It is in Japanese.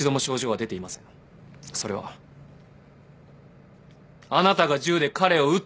それはあなたが銃で彼を撃ったからです。